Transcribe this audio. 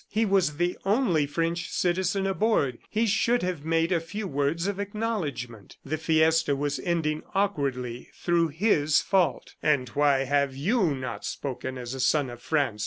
He was the only French citizen aboard. He should have made a few words of acknowledgment. The fiesta was ending awkwardly through his fault. "And why have you not spoken as a son of France?"